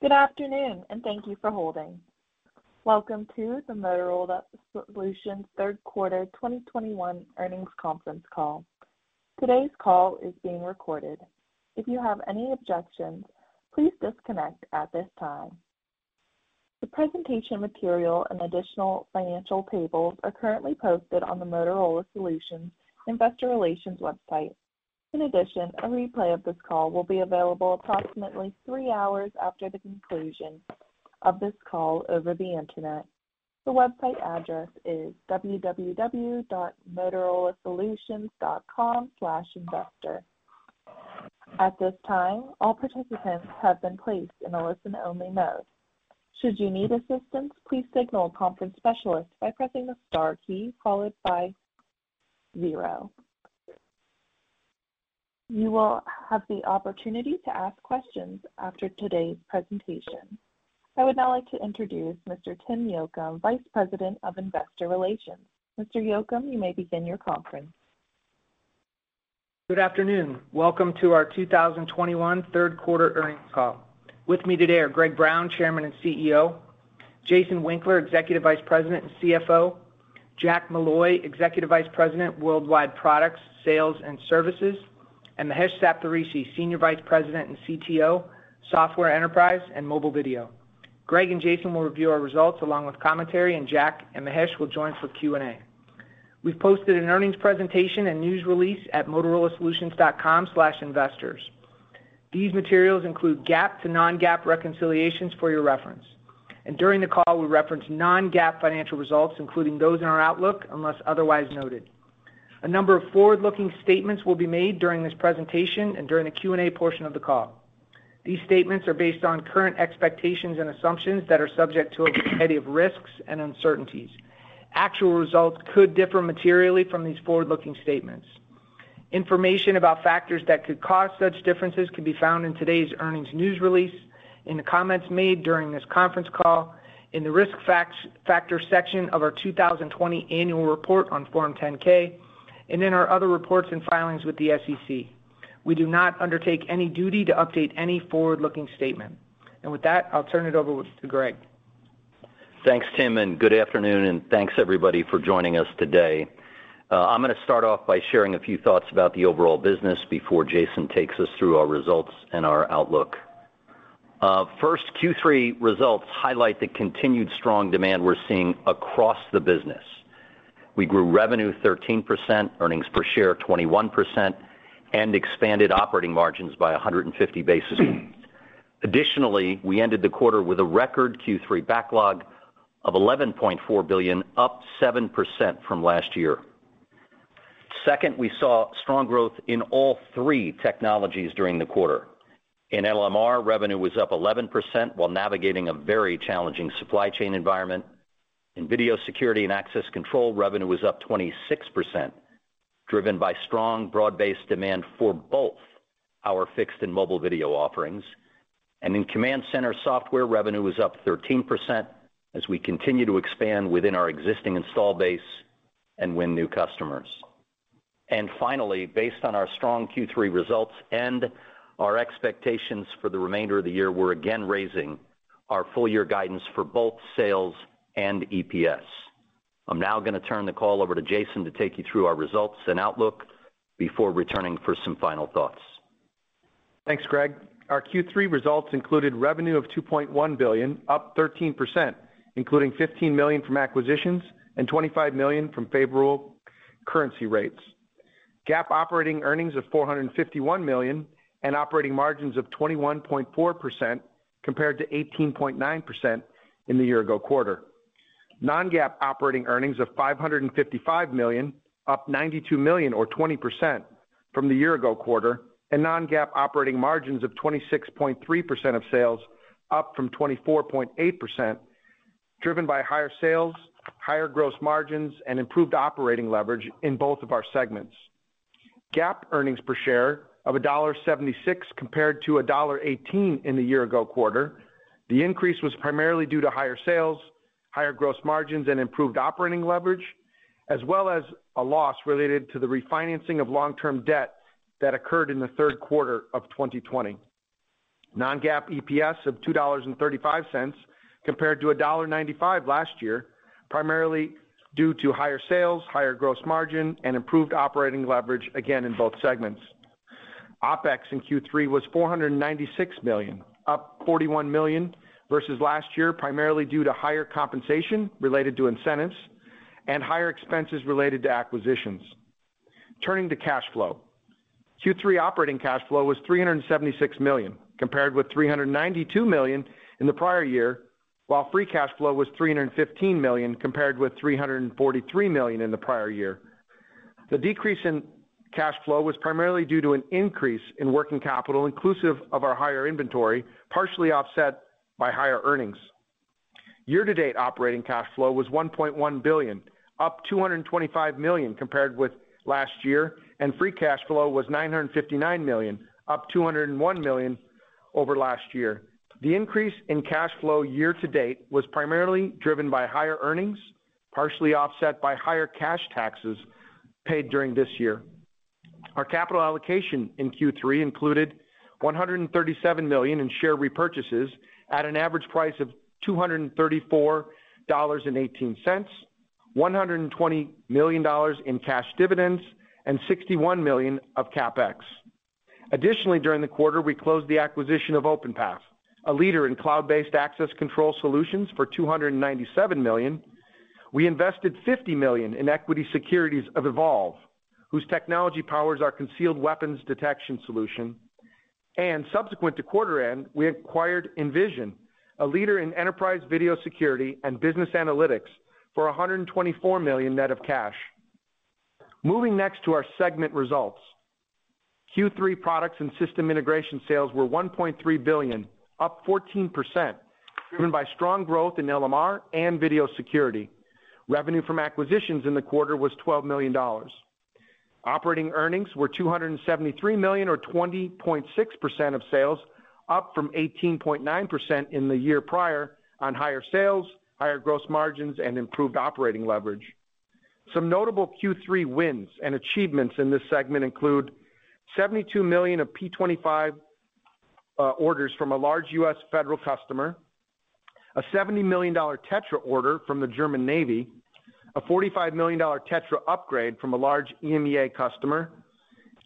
Good afternoon, and thank you for holding. Welcome to the Motorola Solutions third quarter 2021 earnings conference call. Today's call is being recorded. If you have any objections, please disconnect at this time. The presentation material and additional financial tables are currently posted on the Motorola Solutions investor relations website. In addition, a replay of this call will be available approximately 3 hours after the conclusion of this call over the Internet. The website address is www.motorolasolutions.com/investor. At this time, all participants have been placed in a listen-only mode. Should you need assistance, please signal a conference specialist by pressing the star key followed by zero. You will have the opportunity to ask questions after today's presentation. I would now like to introduce Mr. Tim Yocum, Vice President of Investor Relations. Mr. Yocum, you may begin your conference. Good afternoon. Welcome to our 2021 third quarter earnings call. With me today are Greg Brown, Chairman and CEO, Jason Winkler, Executive Vice President and CFO, Jack Molloy, Executive Vice President, Worldwide Products, Sales and Services, and Mahesh Saptharishi, Senior Vice President and CTO, Software Enterprise and Mobile Video. Greg and Jason will review our results along with commentary, and Jack and Mahesh will join for Q&A. We've posted an earnings presentation and news release at motorolasolutions.com/investors. These materials include GAAP to non-GAAP reconciliations for your reference. During the call, we reference non-GAAP financial results, including those in our outlook, unless otherwise noted. A number of forward-looking statements will be made during this presentation and during the Q&A portion of the call. These statements are based on current expectations and assumptions that are subject to a variety of risks and uncertainties. Actual results could differ materially from these forward-looking statements. Information about factors that could cause such differences can be found in today's earnings news release, in the comments made during this conference call, in the Risk Factors section of our 2020 annual report on Form 10-K, and in our other reports and filings with the SEC. We do not undertake any duty to update any forward-looking statement. With that, I'll turn it over to Greg. Thanks, Tim, and good afternoon, and thanks everybody for joining us today. I'm gonna start off by sharing a few thoughts about the overall business before Jason takes us through our results and our outlook. First, Q3 results highlight the continued strong demand we're seeing across the business. We grew revenue 13%, earnings per share 21%, and expanded operating margins by 150 basis points. Additionally, we ended the quarter with a record Q3 backlog of $11.4 billion, up 7% from last year. Second, we saw strong growth in all three technologies during the quarter. In LMR, revenue was up 11% while navigating a very challenging supply chain environment. In video security and access control, revenue was up 26%, driven by strong broad-based demand for both our fixed and mobile video offerings. In command center software, revenue was up 13% as we continue to expand within our existing install base and win new customers. Finally, based on our strong Q3 results and our expectations for the remainder of the year, we're again raising our full year guidance for both sales and EPS. I'm now gonna turn the call over to Jason to take you through our results and outlook before returning for some final thoughts. Thanks, Greg. Our Q3 results included revenue of $2.1 billion, up 13%, including $15 million from acquisitions and $25 million from favorable currency rates. GAAP operating earnings of $451 million and operating margins of 21.4% compared to 18.9% in the year ago quarter. Non-GAAP operating earnings of $555 million, up $92 million or 20% from the year ago quarter, and non-GAAP operating margins of 26.3% of sales, up from 24.8%, driven by higher sales, higher gross margins, and improved operating leverage in both of our segments. GAAP earnings per share of $1.76 compared to $1.18 in the year ago quarter. The increase was primarily due to higher sales, higher gross margins, and improved operating leverage, as well as a loss related to the refinancing of long-term debt that occurred in the third quarter of 2020. Non-GAAP EPS of $2.35 compared to $1.95 last year, primarily due to higher sales, higher gross margin, and improved operating leverage, again in both segments. OpEx in Q3 was $496 million, up $41 million versus last year, primarily due to higher compensation related to incentives and higher expenses related to acquisitions. Turning to cash flow. Q3 operating cash flow was $376 million, compared with $392 million in the prior year, while free cash flow was $315 million compared with $343 million in the prior year. The decrease in cash flow was primarily due to an increase in working capital inclusive of our higher inventory, partially offset by higher earnings. Year-to-date operating cash flow was $1.1 billion, up $225 million compared with last year, and free cash flow was $959 million, up $201 million over last year. The increase in cash flow year to date was primarily driven by higher earnings, partially offset by higher cash taxes paid during this year. Our capital allocation in Q3 included $137 million in share repurchases at an average price of $234.18, $120 million in cash dividends, and $61 million of CapEx. Additionally, during the quarter, we closed the acquisition of Openpath, a leader in cloud-based access control solutions for $297 million. We invested $50 million in equity securities of Evolv, whose technology powers our concealed weapons detection solution. Subsequent to quarter end, we acquired Envysion, a leader in enterprise video security and business analytics for $124 million net of cash. Moving next to our segment results. Q3 products and systems integration sales were $1.3 billion, up 14%, driven by strong growth in LMR and video security. Revenue from acquisitions in the quarter was $12 million. Operating earnings were $273 million or 20.6% of sales, up from 18.9% in the year prior on higher sales, higher gross margins, and improved operating leverage. Some notable Q3 wins and achievements in this segment include $72 million of P-25 orders from a large U.S. federal customer, a $70 million TETRA order from the German Navy, a $45 million TETRA upgrade from a large EMEA customer,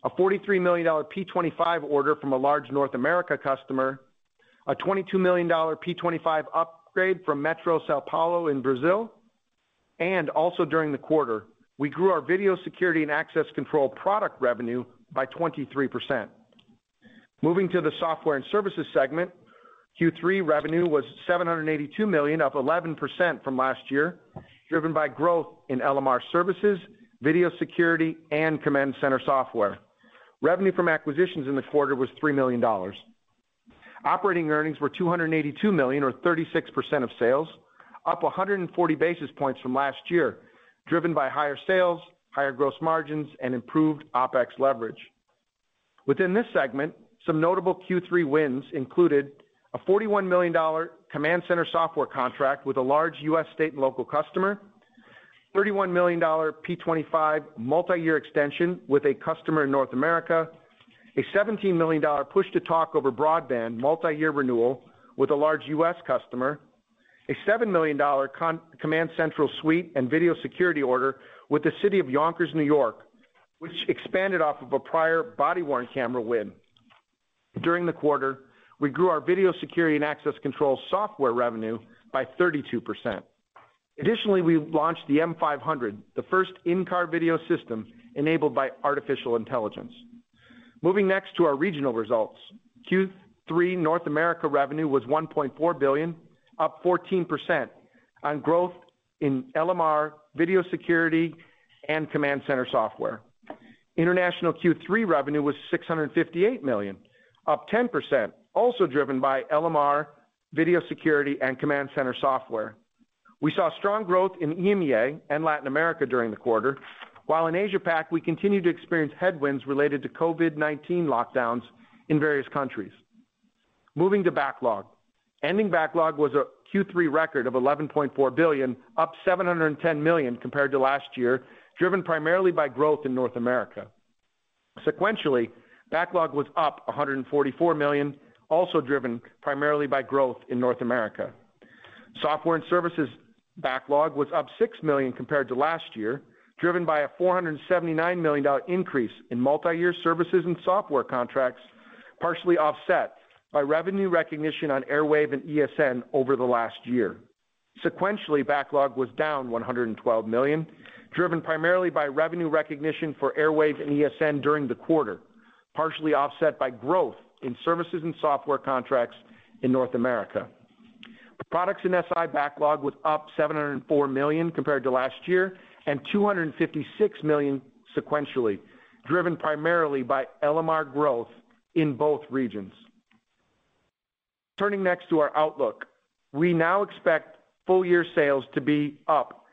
a $43 million P-25 order from a large North America customer, a $22 million P-25 upgrade from Metro São Paulo in Brazil. Also during the quarter, we grew our video security and access control product revenue by 23%. Moving to the software and services segment. Q3 revenue was $782 million, up 11% from last year, driven by growth in LMR services, video security, and command center software. Revenue from acquisitions in the quarter was $3 million. Operating earnings were $282 million or 36% of sales, up 140 basis points from last year, driven by higher sales, higher gross margins, and improved OpEx leverage. Within this segment, some notable Q3 wins included a $41 million CommandCentral software contract with a large U.S. state and local customer, a $31 million P-25 multi-year extension with a customer in North America, a $17 million push-to-talk over broadband multi-year renewal with a large U.S. customer, a $7 million CommandCentral suite and video security order with the city of Yonkers, New York, which expanded off of a prior body-worn camera win. During the quarter, we grew our video security and access control software revenue by 32%. Additionally, we launched the M500, the first in-car video system enabled by artificial intelligence. Moving next to our regional results. Q3 North America revenue was $1.4 billion, up 14% on growth in LMR, video security, and command center software. International Q3 revenue was $658 million, up 10%, also driven by LMR, video security, and command center software. We saw strong growth in EMEA and Latin America during the quarter, while in Asia PAC, we continued to experience headwinds related to COVID-19 lockdowns in various countries. Moving to backlog, ending backlog was a Q3 record of $11.4 billion, up $710 million compared to last year, driven primarily by growth in North America. Sequentially, backlog was up $144 million, also driven primarily by growth in North America. Software and services backlog was up $6 million compared to last year, driven by a $479 million increase in multi-year services and software contracts, partially offset by revenue recognition on Airwave and ESN over the last year. Sequentially, backlog was down $112 million, driven primarily by revenue recognition for Airwave and ESN during the quarter, partially offset by growth in services and software contracts in North America. The products in SI backlog was up $704 million compared to last year, and $256 million sequentially, driven primarily by LMR growth in both regions. Turning next to our outlook. We now expect full year sales to be up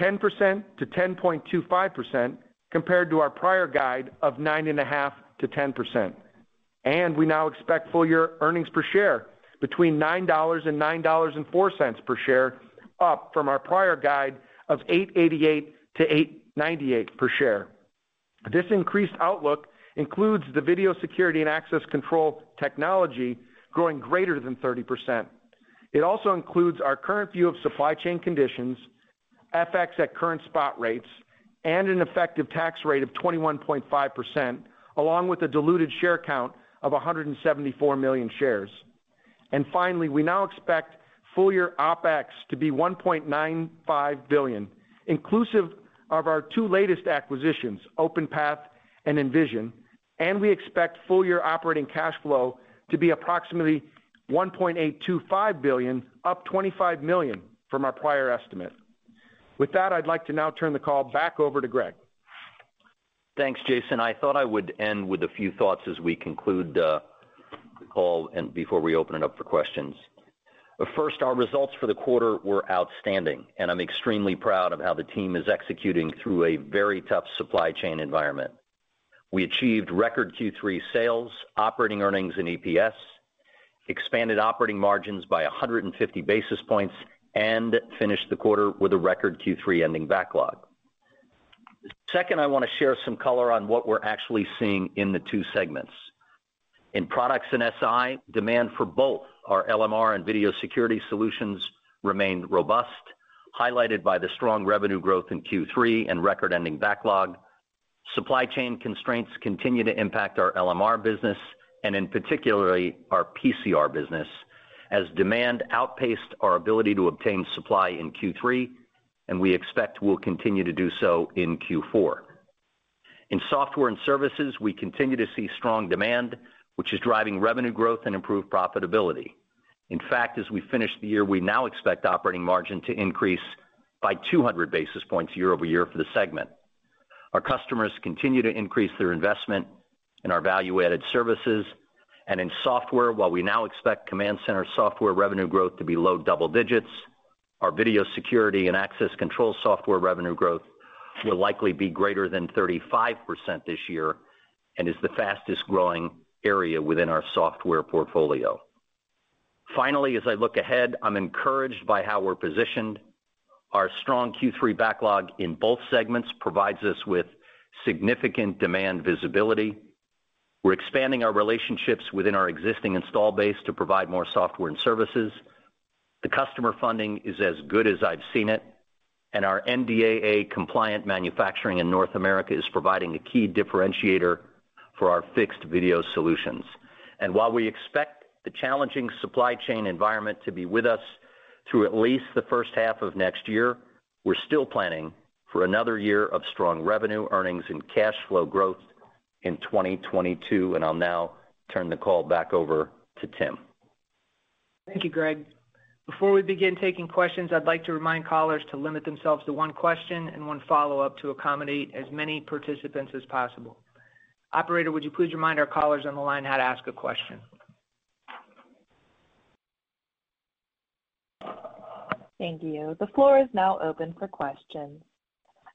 10%-10.25% compared to our prior guide of 9.5%-10%. We now expect full year earnings per share between $9 and $9.04 per share, up from our prior guide of $8.88-$8.98 per share. This increased outlook includes the video security and access control technology growing greater than 30%. It also includes our current view of supply chain conditions, FX at current spot rates, and an effective tax rate of 21.5%, along with a diluted share count of 174 million shares. We now expect full year OpEx to be $1.95 billion, inclusive of our two latest acquisitions, Openpath and Envysion, and we expect full year operating cash flow to be approximately $1.825 billion, up $25 million from our prior estimate. With that, I'd like to now turn the call back over to Greg. Thanks, Jason. I thought I would end with a few thoughts as we conclude the call and before we open it up for questions. First, our results for the quarter were outstanding, and I'm extremely proud of how the team is executing through a very tough supply chain environment. We achieved record Q3 sales, operating earnings and EPS. Expanded operating margins by 150 basis points and finished the quarter with a record Q3 ending backlog. Second, I want to share some color on what we're actually seeing in the two segments. In products and SI, demand for both our LMR and video security solutions remained robust, highlighted by the strong revenue growth in Q3 and record ending backlog. Supply chain constraints continue to impact our LMR business and in particularly our PCR business as demand outpaced our ability to obtain supply in Q3, and we expect will continue to do so in Q4. In software and services, we continue to see strong demand, which is driving revenue growth and improved profitability. In fact, as we finish the year, we now expect operating margin to increase by 200 basis points year-over-year for the segment. Our customers continue to increase their investment in our value-added services. In software, while we now expect CommandCentral software revenue growth to be low double digits, our video security and access control software revenue growth will likely be greater than 35% this year and is the fastest-growing area within our software portfolio. Finally, as I look ahead, I'm encouraged by how we're positioned. Our strong Q3 backlog in both segments provides us with significant demand visibility. We're expanding our relationships within our existing install base to provide more software and services. The customer funding is as good as I've seen it, and our NDAA-compliant manufacturing in North America is providing a key differentiator for our fixed video solutions. While we expect the challenging supply chain environment to be with us through at least the first half of next year, we're still planning for another year of strong revenue earnings and cash flow growth in 2022. I'll now turn the call back over to Tim. Thank you, Greg. Before we begin taking questions, I'd like to remind callers to limit themselves to one question and one follow-up to accommodate as many participants as possible. Operator, would you please remind our callers on the line how to ask a question? Thank you. The floor is now open for questions.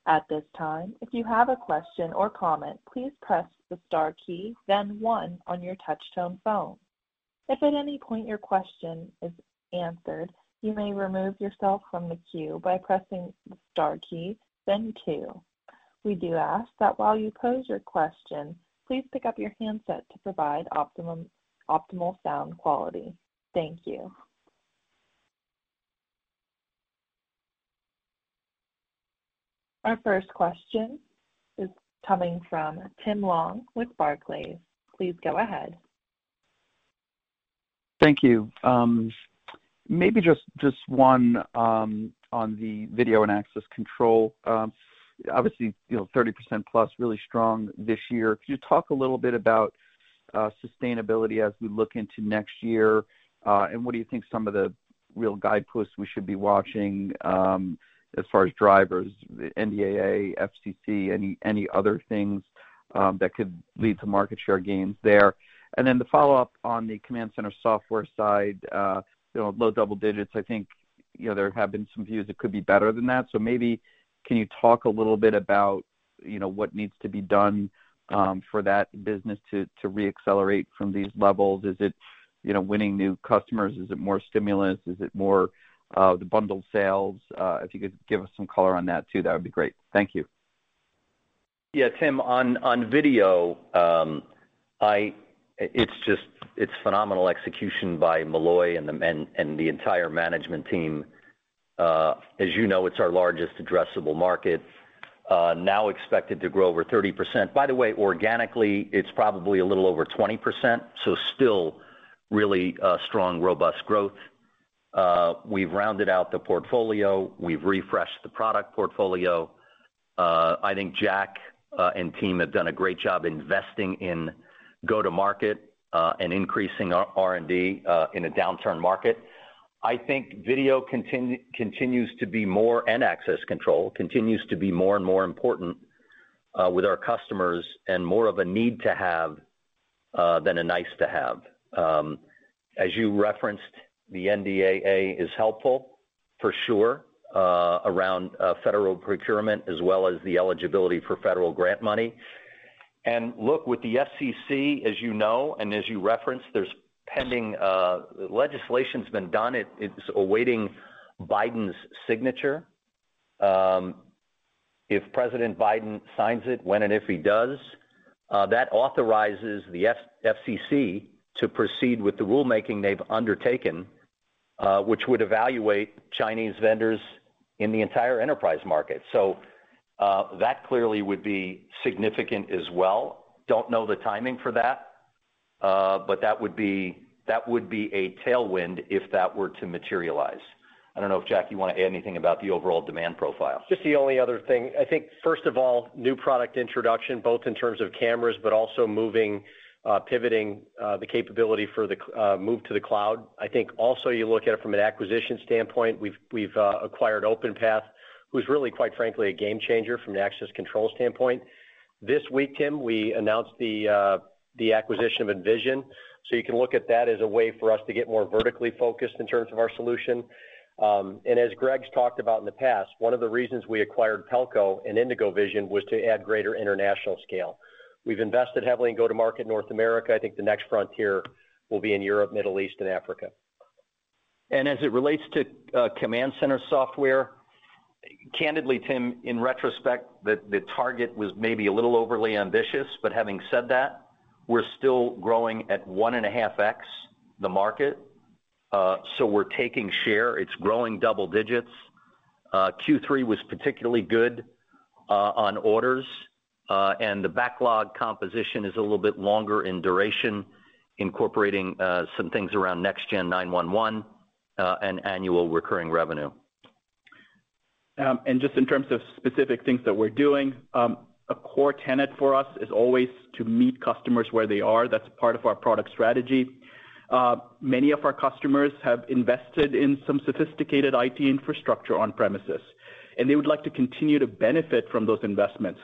At this time, if you have a question or comment, please press the star key, then one on your touch tone phone. If at any point your question is answered, you may remove yourself from the queue by pressing the star key, then two. We do ask that while you pose your question, please pick up your handset to provide optimal sound quality. Thank you. Our first question is coming from Tim Long with Barclays. Please go ahead. Thank you. Maybe just one on the video and access control. Obviously, you know, 30% plus really strong this year. Could you talk a little bit about sustainability as we look into next year? And what do you think some of the real guideposts we should be watching as far as drivers, NDAA, FCC, any other things that could lead to market share gains there? And then the follow-up on the CommandCentral software side, you know, low double digits. I think, you know, there have been some views it could be better than that. Maybe can you talk a little bit about what needs to be done for that business to reaccelerate from these levels? Is it, you know, winning new customers? Is it more stimulus? Is it more the bundled sales? If you could give us some color on that too, that would be great. Thank you. Yeah, Tim. On video, it's just, it's phenomenal execution by Malloy and the entire management team. As you know, it's our largest addressable market, now expected to grow over 30%. By the way, organically, it's probably a little over 20%, so still really strong, robust growth. We've rounded out the portfolio. We've refreshed the product portfolio. I think Jack and team have done a great job investing in go-to-market and increasing our R&D in a downturn market. I think video continues to be more, and access control continues to be more and more important with our customers and more of a need to have than a nice to have. As you referenced, the NDAA is helpful for sure, around federal procurement as well as the eligibility for federal grant money. Look, with the FCC, as you know and as you referenced, there's pending legislation's been done, it's awaiting Biden's signature. If President Biden signs it, when and if he does, that authorizes the FCC to proceed with the rulemaking they've undertaken, which would evaluate Chinese vendors in the entire enterprise market. That clearly would be significant as well. Don't know the timing for that, but that would be a tailwind if that were to materialize. I don't know if, Jack, you want to add anything about the overall demand profile. Just the only other thing, I think, first of all, new product introduction, both in terms of cameras, but also moving, pivoting, the capability for the move to the cloud. I think also you look at it from an acquisition standpoint. We've acquired Openpath, who's really, quite frankly, a game changer from an access control standpoint. This week, Tim, we announced the acquisition of Envysion. So you can look at that as a way for us to get more vertically focused in terms of our solution. As Greg's talked about in the past, one of the reasons we acquired Pelco and IndigoVision was to add greater international scale. We've invested heavily in go-to-market North America. I think the next frontier will be in Europe, Middle East, and Africa. As it relates to CommandCentral, candidly, Tim, in retrospect, the target was maybe a little overly ambitious. Having said that, we're still growing at 1.5x the market, so we're taking share. It's growing double digits. Q3 was particularly good on orders. The backlog composition is a little bit longer in duration, incorporating some things around next-gen 9-1-1 and annual recurring revenue. Just in terms of specific things that we're doing, a core tenet for us is always to meet customers where they are. That's part of our product strategy. Many of our customers have invested in some sophisticated IT infrastructure on premises, and they would like to continue to benefit from those investments.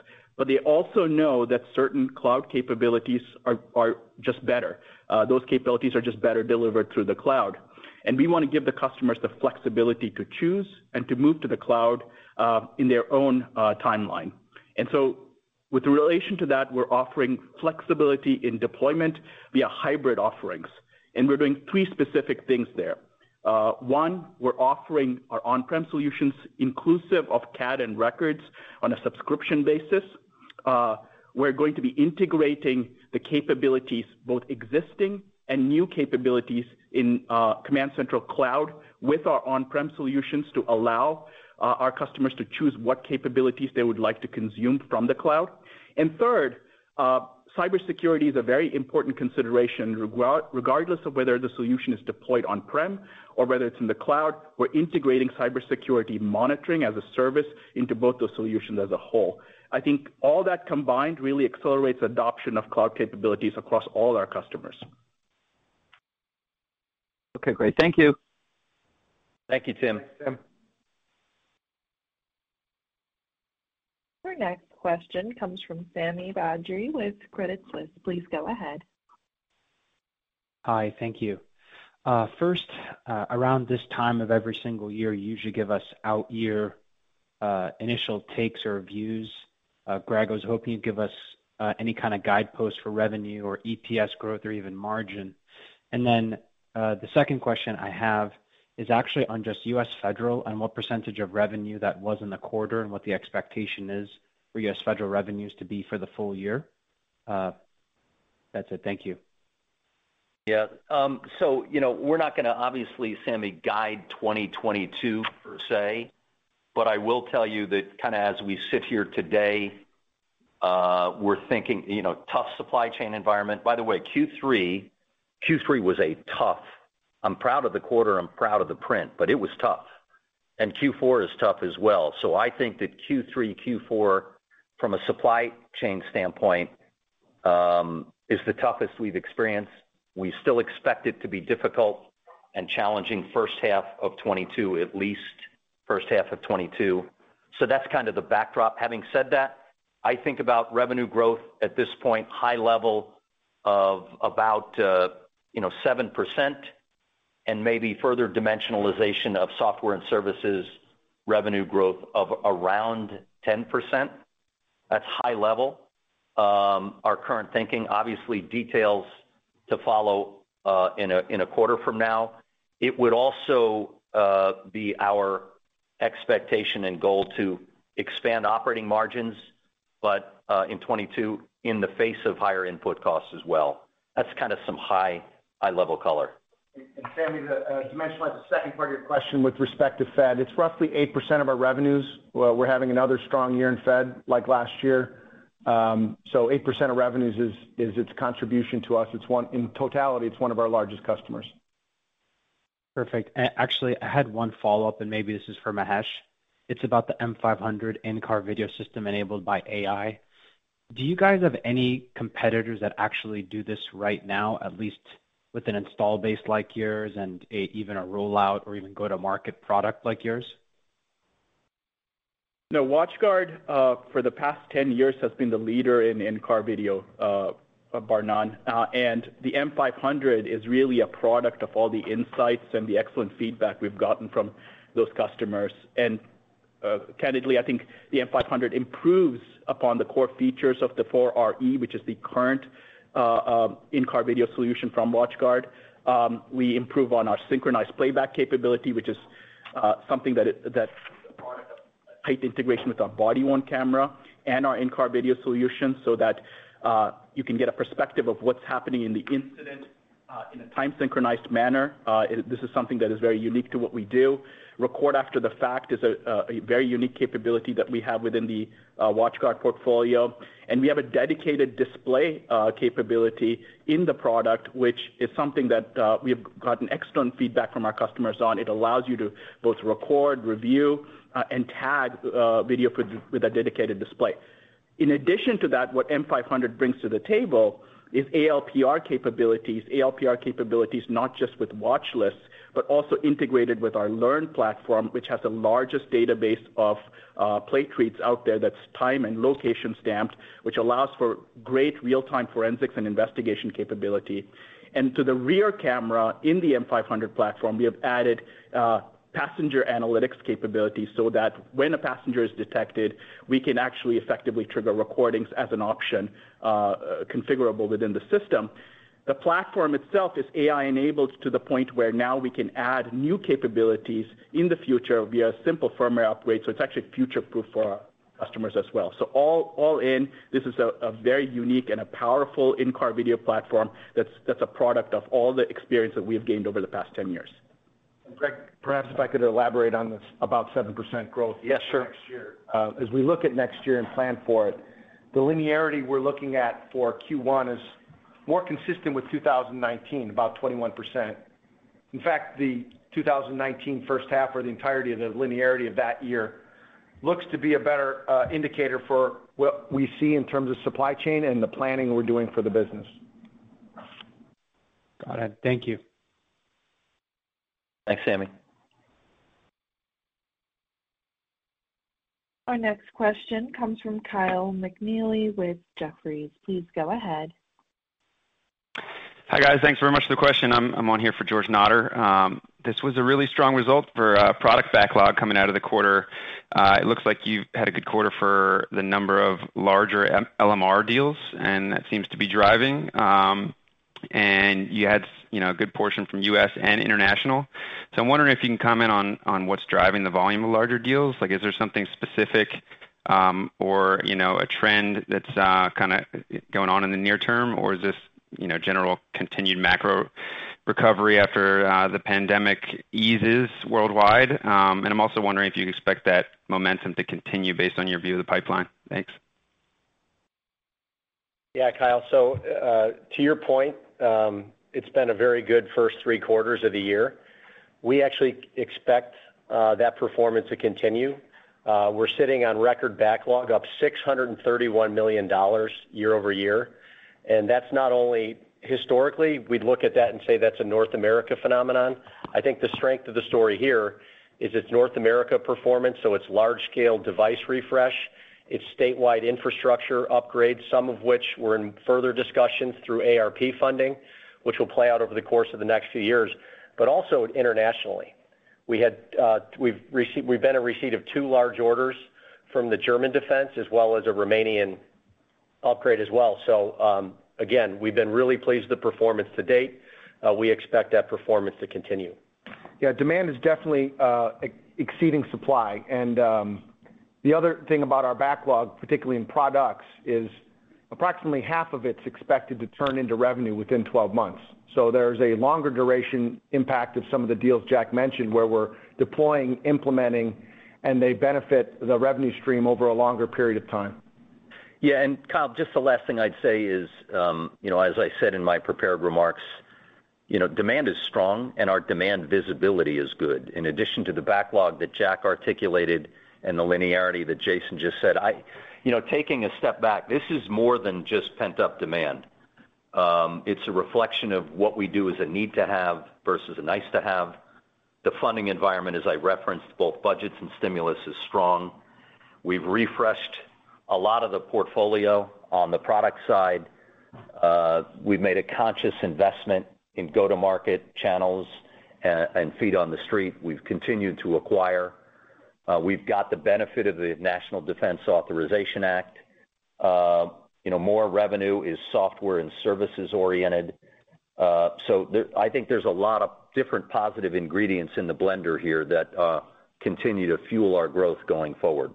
They also know that certain cloud capabilities are just better. Those capabilities are just better delivered through the cloud. We wanna give the customers the flexibility to choose and to move to the cloud in their own timeline. With relation to that, we're offering flexibility in deployment via hybrid offerings. We're doing three specific things there. One, we're offering our on-prem solutions inclusive of CAD and records on a subscription basis. We're going to be integrating the capabilities, both existing and new capabilities in CommandCentral Cloud with our on-prem solutions to allow our customers to choose what capabilities they would like to consume from the cloud. Third, cybersecurity is a very important consideration regardless of whether the solution is deployed on-prem or whether it's in the cloud. We're integrating cybersecurity monitoring as a service into both those solutions as a whole. I think all that combined really accelerates adoption of cloud capabilities across all our customers. Okay, great. Thank you. Thank you, Tim. Thanks, Tim. Our next question comes from Sami Badri with Credit Suisse. Please go ahead. Hi. Thank you. First, around this time of every single year, you usually give us out year initial takes or views. Greg, I was hoping you'd give us any kind of guidepost for revenue or EPS growth or even margin. Then, the second question I have is actually on just U.S. Federal and what percentage of revenue that was in the quarter and what the expectation is for U.S. Federal revenues to be for the full year. That's it. Thank you. Yeah. So, you know, we're not gonna obviously, Sami, guide 2022 per se, but I will tell you that kinda as we sit here today, we're thinking, you know, tough supply chain environment. By the way, Q3 was a tough. I'm proud of the quarter, I'm proud of the print, but it was tough. Q4 is tough as well. I think that Q3, Q4 from a supply chain standpoint, is the toughest we've experienced. We still expect it to be difficult and challenging first half of 2022, at least first half of 2022. That's kind of the backdrop. Having said that, I think about revenue growth at this point, high level of about, you know, 7% and maybe further dimensionalization of software and services revenue growth of around 10%. That's high level. Our current thinking, obviously details to follow, in a quarter from now. It would also be our expectation and goal to expand operating margins, but in 2022 in the face of higher input costs as well. That's kinda some high level color. Sami, to mention like the second part of your question with respect to Fed, it's roughly 8% of our revenues. We're having another strong year in Fed like last year. 8% of revenues is its contribution to us. In totality, it's one of our largest customers. Perfect. Actually, I had one follow-up, and maybe this is for Mahesh. It's about the M500 in-car video system enabled by AI. Do you guys have any competitors that actually do this right now, at least with an install base like yours and a, even a rollout or even go to market product like yours? No. WatchGuard, for the past 10 years has been the leader in in-car video, bar none. The M500 is really a product of all the insights and the excellent feedback we've gotten from those customers. Candidly, I think the M500 improves upon the core features of the 4RE, which is the current, in-car video solution from WatchGuard. We improve on our synchronized playback capability, which is something that's a product of tight integration with our body-worn camera and our in-car video solution so that you can get a perspective of what's happening in the incident, in a time synchronized manner. This is something that is very unique to what we do. Record after the fact is a very unique capability that we have within the WatchGuard portfolio. We have a dedicated display capability in the product, which is something that we have gotten excellent feedback from our customers on. It allows you to both record, review, and tag video with a dedicated display. In addition to that, what M500 brings to the table is ALPR capabilities not just with watch lists, but also integrated with our LEARN platform, which has the largest database of plate reads out there that's time and location stamped, which allows for great real-time forensics and investigation capability. To the rear camera in the M500 platform, we have added passenger analytics capabilities so that when a passenger is detected, we can actually effectively trigger recordings as an option configurable within the system. The platform itself is AI-enabled to the point where now we can add new capabilities in the future via simple firmware upgrades, so it's actually future-proof for our customers as well. All in, this is a very unique and powerful in-car video platform that's a product of all the experience that we have gained over the past 10 years. Greg, perhaps if I could elaborate on this, about 7% growth. Yes, sure. Next year. As we look at next year and plan for it, the linearity we're looking at for Q1 is more consistent with 2019, about 21%. In fact, the 2019 first half or the entirety of the linearity of that year looks to be a better indicator for what we see in terms of supply chain and the planning we're doing for the business. Got it. Thank you. Thanks, Sami. Our next question comes from Kyle McNealy with Jefferies. Please go ahead. Hi, guys. Thanks very much for the question. I'm on here for George Notter. This was a really strong result for product backlog coming out of the quarter. It looks like you've had a good quarter for the number of larger LMR deals, and that seems to be driving. You had a good portion from U.S. and international. I'm wondering if you can comment on what's driving the volume of larger deals. Like, is there something specific, or a trend that's kind of going on in the near term? Or is this general continued macro recovery after the pandemic eases worldwide? I'm also wondering if you expect that momentum to continue based on your view of the pipeline. Thanks. Yeah, Kyle. To your point, it's been a very good first three quarters of the year. We actually expect that performance to continue. We're sitting on record backlog up $631 million year-over-year, and that's not only historically. We'd look at that and say that's a North America phenomenon. I think the strength of the story here is it's North America performance, so it's large-scale device refresh, it's statewide infrastructure upgrades, some of which we're in further discussions through ARP funding, which will play out over the course of the next few years. Also internationally, we've been in receipt of two large orders from the German defense as well as a Romanian upgrade as well. Again, we've been really pleased with the performance to date. We expect that performance to continue. Yeah, demand is definitely exceeding supply. The other thing about our backlog, particularly in products, is approximately half of it's expected to turn into revenue within 12 months. There's a longer duration impact of some of the deals Jack mentioned, where we're deploying, implementing, and they benefit the revenue stream over a longer period of time. Yeah. Kyle, just the last thing I'd say is, you know, as I said in my prepared remarks, you know, demand is strong and our demand visibility is good. In addition to the backlog that Jack articulated and the linearity that Jason just said, you know, taking a step back, this is more than just pent-up demand. It's a reflection of what we do as a need to have versus a nice to have. The funding environment, as I referenced, both budgets and stimulus, is strong. We've refreshed a lot of the portfolio on the product side. We've made a conscious investment in go-to-market channels and feet on the street. We've continued to acquire. We've got the benefit of the National Defense Authorization Act. You know, more revenue is software and services-oriented. I think there's a lot of different positive ingredients in the blender here that continue to fuel our growth going forward.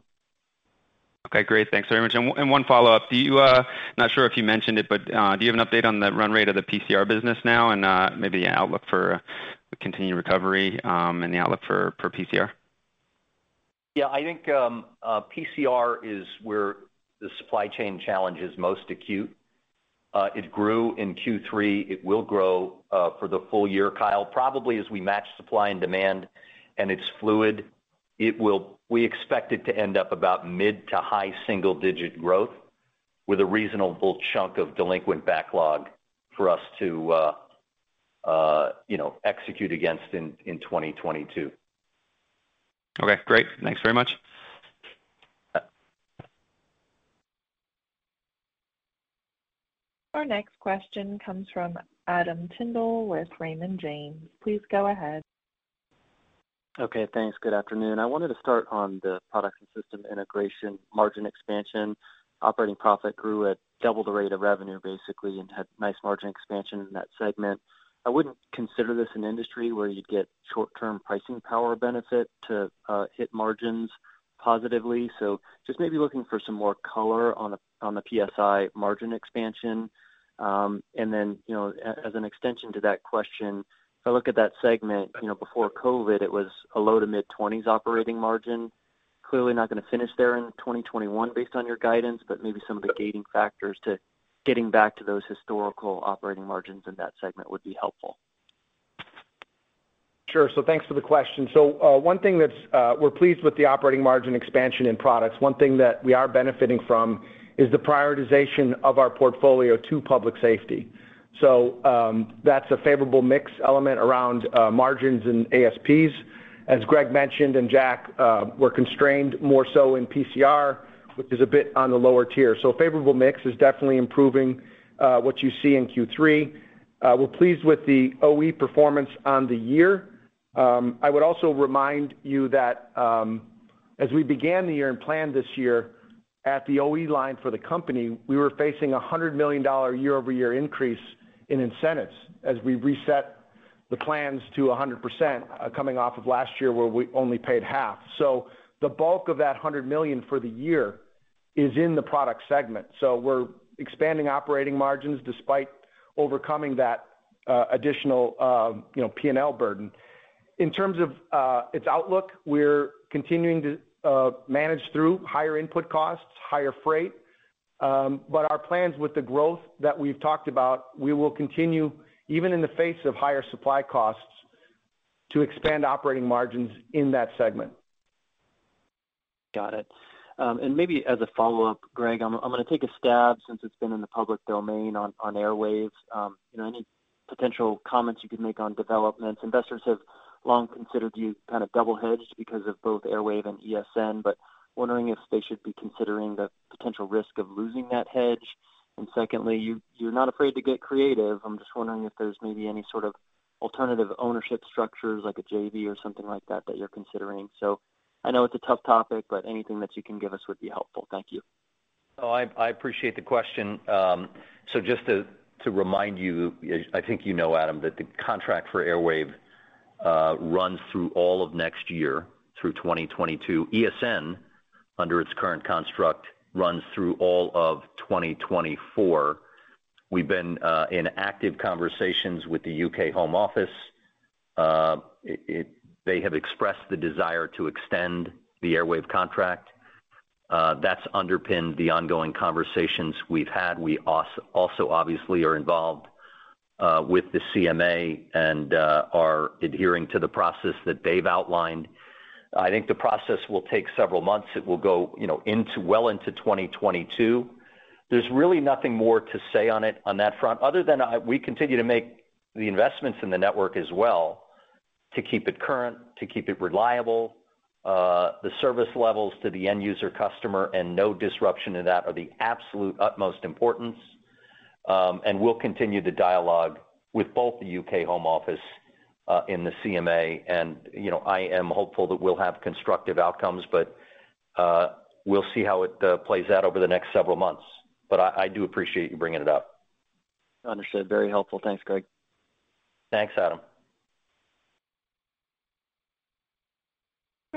Okay. Great. Thanks very much. One follow-up. I'm not sure if you mentioned it, but do you have an update on the run rate of the PCR business now and maybe an outlook for the continued recovery and the outlook for PCR? Yeah. I think PCR is where the supply chain challenge is most acute. It grew in Q3. It will grow for the full year, Kyle, probably as we match supply and demand, and it's fluid. We expect it to end up about mid- to high-single-digit growth with a reasonable chunk of delinquent backlog for us to you know execute against in 2022. Okay, great. Thanks very much. Our next question comes from Adam Tindle with Raymond James. Please go ahead. Okay, thanks. Good afternoon. I wanted to start on the Products and System Integration margin expansion. Operating profit grew at double the rate of revenue, basically, and had nice margin expansion in that segment. I wouldn't consider this an industry where you'd get short-term pricing power benefit to hit margins positively. Just maybe looking for some more color on the PSI margin expansion. You know, as an extension to that question, if I look at that segment, you know, before COVID, it was a low- to mid-20s% operating margin. Clearly not gonna finish there in 2021 based on your guidance, but maybe some of the gating factors to getting back to those historical operating margins in that segment would be helpful. Sure. Thanks for the question. One thing that we're pleased with is the operating margin expansion in products. One thing that we are benefiting from is the prioritization of our portfolio to public safety. That's a favorable mix element around margins and ASPs. As Greg mentioned, and Jack, we're constrained more so in PCR, which is a bit on the lower tier. A favorable mix is definitely improving what you see in Q3. We're pleased with the OE performance on the year. I would also remind you that as we began the year and planned this year at the OE line for the company, we were facing a $100 million year-over-year increase in incentives as we reset the plans to 100%, coming off of last year where we only paid half. The bulk of that $100 million for the year is in the product segment. We're expanding operating margins despite overcoming that additional P&L burden. In terms of its outlook, we're continuing to manage through higher input costs, higher freight. Our plans with the growth that we've talked about, we will continue even in the face of higher supply costs to expand operating margins in that segment. Got it. Maybe as a follow-up, Greg, I'm gonna take a stab since it's been in the public domain on Airwave. You know, any potential comments you could make on developments. Investors have long considered you kind of double hedged because of both Airwave and ESN, but wondering if they should be considering the potential risk of losing that hedge. Secondly, you're not afraid to get creative. I'm just wondering if there's maybe any sort of alternative ownership structures like a JV or something like that that you're considering. I know it's a tough topic, but anything that you can give us would be helpful. Thank you. I appreciate the question. So just to remind you, I think you know, Adam, that the contract for Airwave runs through all of next year through 2022. ESN, under its current construct, runs through all of 2024. We've been in active conversations with the U.K. Home Office. They have expressed the desire to extend the Airwave contract. That's underpinned the ongoing conversations we've had. We also obviously are involved with the CMA and are adhering to the process that they've outlined. I think the process will take several months. It will go, you know, well into 2022. There's really nothing more to say on it, on that front other than we continue to make the investments in the network as well to keep it current, to keep it reliable. The service levels to the end user customer and no disruption in that are the absolute utmost importance. We'll continue to dialogue with both the U.K. Home Office in the CMA, and, you know, I am hopeful that we'll have constructive outcomes. We'll see how it plays out over the next several months. I do appreciate you bringing it up. Understood. Very helpful. Thanks, Greg. Thanks, Adam.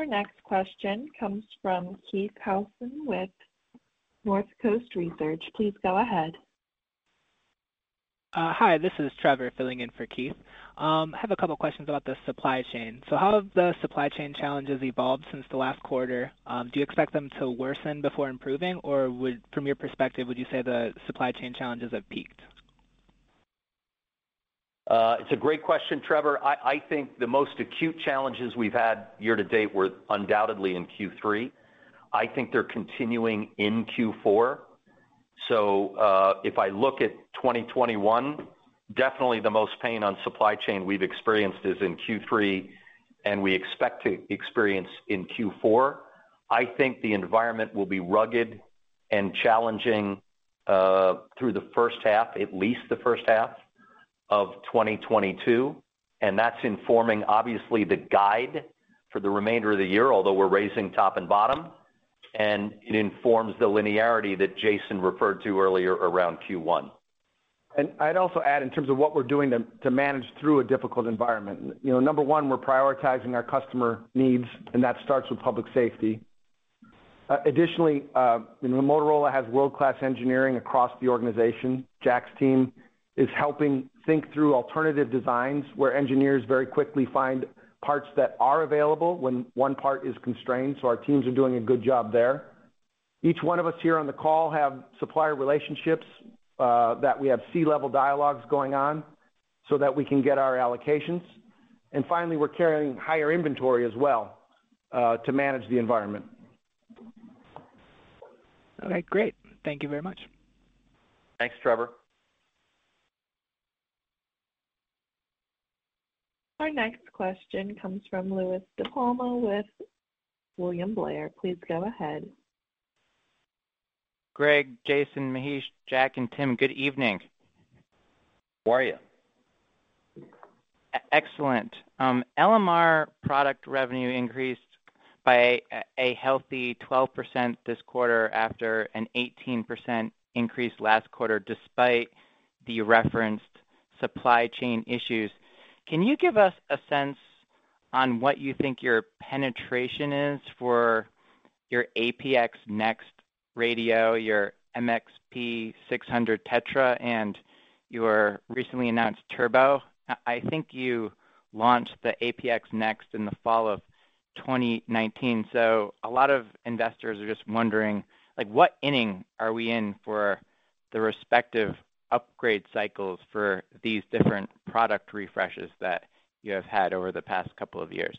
Our next question comes from Keith Housum with Northcoast Research. Please go ahead. Hi, this is Trevor filling in for Keith. Have a couple questions about the supply chain. How have the supply chain challenges evolved since the last quarter? Do you expect them to worsen before improving? Or, from your perspective, would you say the supply chain challenges have peaked? It's a great question, Trevor. I think the most acute challenges we've had year to date were undoubtedly in Q3. I think they're continuing in Q4. If I look at 2021, definitely the most pain on supply chain we've experienced is in Q3, and we expect to experience in Q4. I think the environment will be rugged and challenging through the first half, at least the first half of 2022, and that's informing obviously the guide for the remainder of the year, although we're raising top and bottom, and it informs the linearity that Jason referred to earlier around Q1. I'd also add in terms of what we're doing to manage through a difficult environment. You know, number one, we're prioritizing our customer needs, and that starts with public safety. Additionally, you know, Motorola has world-class engineering across the organization. Jack's team is helping think through alternative designs where engineers very quickly find parts that are available when one part is constrained, so our teams are doing a good job there. Each one of us here on the call have supplier relationships that we have C-level dialogues going on so that we can get our allocations. Finally, we're carrying higher inventory as well to manage the environment. All right, great. Thank you very much. Thanks, Trevor. Our next question comes from Louie DiPalma with William Blair. Please go ahead. Greg, Jason, Mahesh, Jack, and Tim, good evening. How are you? Excellent. LMR product revenue increased by a healthy 12% this quarter after an 18% increase last quarter, despite the referenced supply chain issues. Can you give us a sense on what you think your penetration is for your APX NEXT radio, your MXP600 TETRA, and your recently announced MOTOTRBO? I think you launched the APX NEXT in the fall of 2019. A lot of investors are just wondering, like, what inning are we in for the respective upgrade cycles for these different product refreshes that you have had over the past couple of years?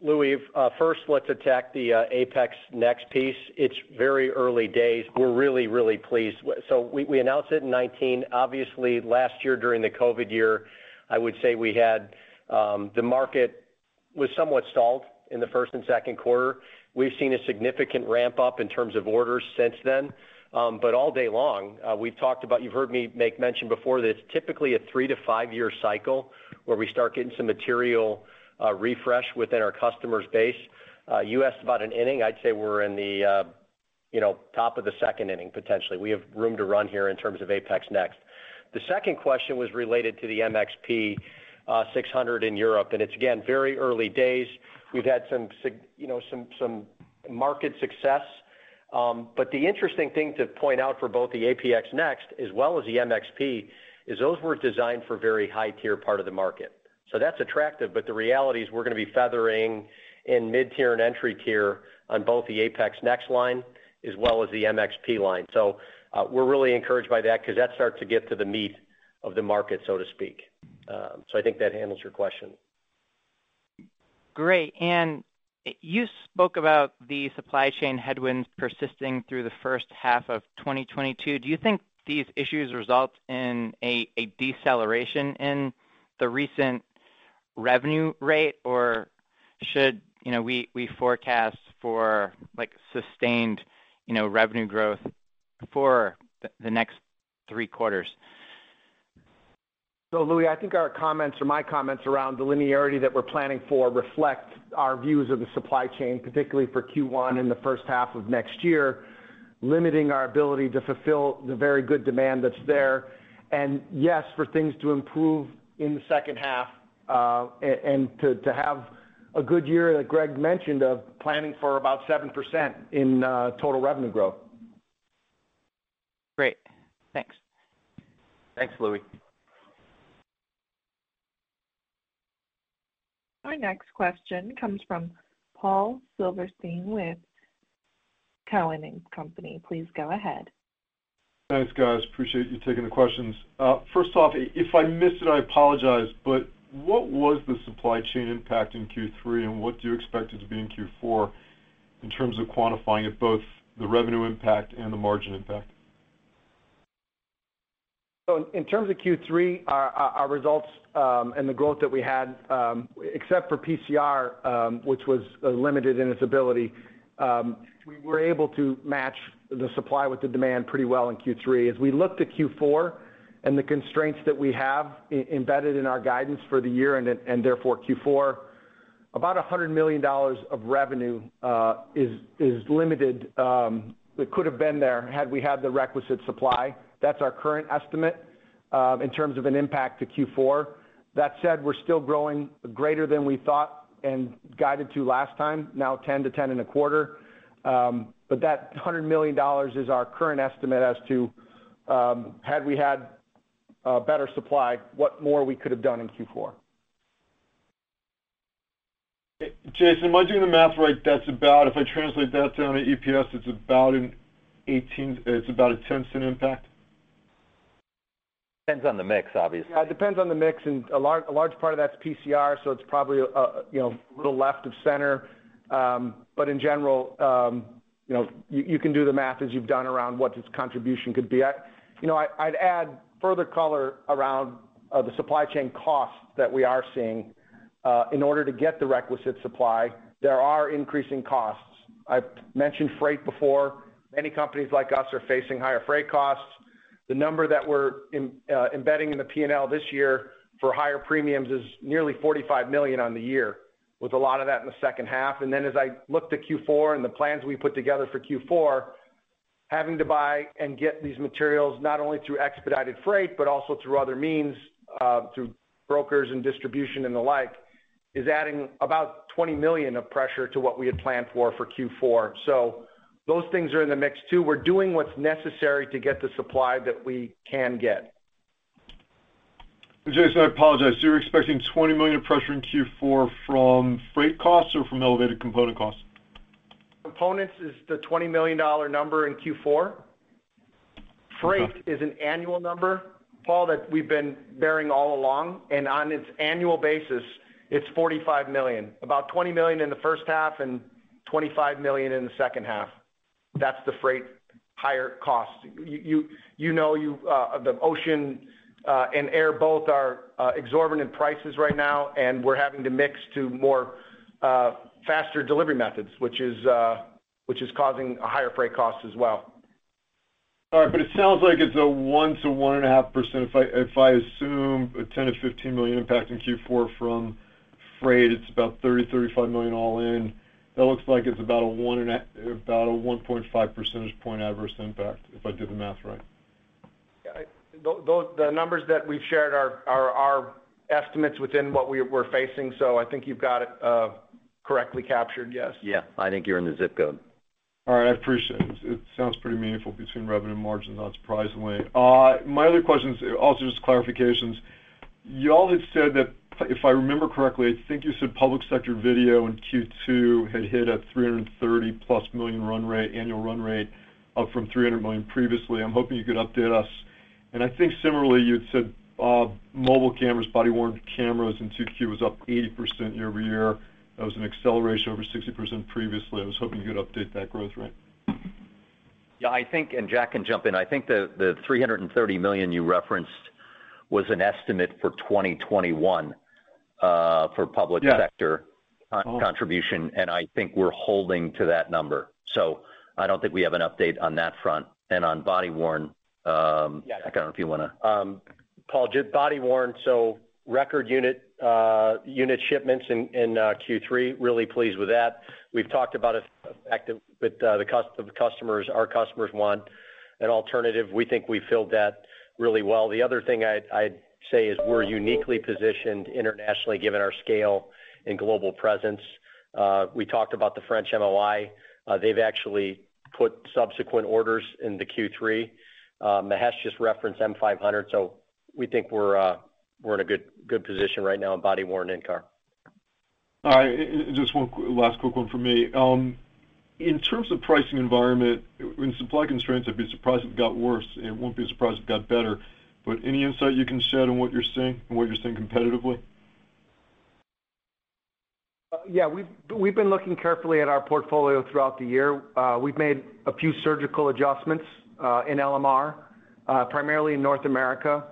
Louie, first let's attack the APX NEXT piece. It's very early days. We're really pleased. We announced it in 2019. Obviously last year during the COVID year, I would say we had the market was somewhat stalled in the first and second quarter. We've seen a significant ramp up in terms of orders since then. All day long we've talked about, you've heard me make mention before that it's typically a 3- to 5-year cycle where we start getting some material refresh within our customer base. You asked about an inning. I'd say we're in the, you know, top of the second inning, potentially. We have room to run here in terms of APX NEXT. The second question was related to the MXP600 in Europe, and it's again, very early days. We've had some market success. But the interesting thing to point out for both the APX NEXT as well as the MXP, is those were designed for very high tier part of the market. So that's attractive, but the reality is we're gonna be feathering in mid tier and entry tier on both the APX NEXT line as well as the MXP line. So, we're really encouraged by that because that starts to get to the meat of the market, so to speak. So I think that handles your question. Great. You spoke about the supply chain headwinds persisting through the first half of 2022. Do you think these issues result in a deceleration in the recent revenue rate? Or should you know we forecast for like sustained you know revenue growth for the next three quarters? Louie, I think our comments or my comments around the linearity that we're planning for reflect our views of the supply chain, particularly for Q1 and the first half of next year, limiting our ability to fulfill the very good demand that's there. Yes, for things to improve in the second half, and to have a good year, that Greg mentioned, of planning for about 7% in total revenue growth. Great. Thanks. Thanks, Louie. Our next question comes from Paul Silverstein with Cowen and Company. Please go ahead. Thanks, guys. Appreciate you taking the questions. First off, if I missed it, I apologize, but what was the supply chain impact in Q3, and what do you expect it to be in Q4 in terms of quantifying it, both the revenue impact and the margin impact? In terms of Q3, our results and the growth that we had, except for PCR, which was limited in its ability, we were able to match the supply with the demand pretty well in Q3. As we look to Q4 and the constraints that we have embedded in our guidance for the year and therefore Q4, about $100 million of revenue is limited, that could have been there had we had the requisite supply. That's our current estimate in terms of an impact to Q4. That said, we're still growing greater than we thought and guided to last time, now 10%-10.25%. But that $100 million is our current estimate as to had we had better supply, what more we could have done in Q4. Jason, am I doing the math right? That's about, if I translate that down to EPS, it's about a $0.10 impact. Depends on the mix, obviously. Yeah, it depends on the mix and a large part of that's PCR, so it's probably, you know, a little left of center. In general, you know, you can do the math as you've done around what its contribution could be. I, you know, I'd add further color around the supply chain costs that we are seeing. In order to get the requisite supply, there are increasing costs. I've mentioned freight before. Many companies like us are facing higher freight costs. The number that we're embedding in the P&L this year for higher premiums is nearly $45 million on the year, with a lot of that in the second half. Then as I look to Q4 and the plans we put together for Q4, having to buy and get these materials not only through expedited freight, but also through other means, through brokers and distribution and the like, is adding about $20 million of pressure to what we had planned for Q4. Those things are in the mix too. We're doing what's necessary to get the supply that we can get. Jason, I apologize. You're expecting $20 million of pressure in Q4 from freight costs or from elevated component costs? Components is the $20 million number in Q4. Okay. Freight is an annual number, Paul, that we've been bearing all along, and on its annual basis, it's $45 million. About $20 million in the first half and $25 million in the second half. That's the freight higher cost. You know, the ocean and air both are exorbitant prices right now, and we're having to shift to more faster delivery methods, which is causing a higher freight cost as well. All right. It sounds like it's a 1%-1.5%. If I assume a $10 million-$15 million impact in Q4 from freight, it's about $30 million-$35 million all in. That looks like it's about a 1.5 percentage point adverse impact, if I did the math right. Yeah. The numbers that we've shared are estimates within what we're facing. I think you've got it correctly captured, yes. Yeah. I think you're in the zip code. All right. I appreciate it. It sounds pretty meaningful between revenue and margins, not surprisingly. My other question's also just clarifications. You all had said that, if I remember correctly, I think you said public sector video in Q2 had hit a $300+ million run rate, annual run rate up from $300 million previously. I'm hoping you could update us. I think similarly, you'd said, mobile cameras, body-worn cameras in 2Q was up 80% year-over-year. That was an acceleration over 60% previously. I was hoping you could update that growth rate. Yeah, I think, and Jack can jump in. I think the $330 million you referenced was an estimate for 2021 for public sector contribution, and I think we're holding to that number. I don't think we have an update on that front. On body-worn. Yeah. Paul, just body-worn. Record unit shipments in Q3, really pleased with that. We've talked about it effectively with the customers. Our customers want an alternative. We think we filled that really well. The other thing I'd say is we're uniquely positioned internationally, given our scale and global presence. We talked about the French MOI. They've actually put subsequent orders into Q3. Mahesh just referenced M500, so we think we're in a good position right now in body-worn in-car. All right. Just one last quick one from me. In terms of pricing environment, when supply constraints, I'd be surprised if it got worse, and won't be surprised if it got better. Any insight you can shed on what you're seeing competitively? Yeah. We've been looking carefully at our portfolio throughout the year. We've made a few surgical adjustments in LMR, primarily in North America